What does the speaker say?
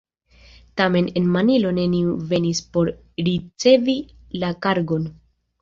Tamen en Manilo neniu venis por ricevi la kargon.